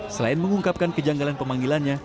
selain mengungkapkan kejanggalan pemanggilannya